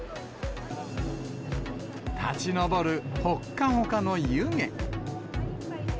立ち上るほっかほかの湯気。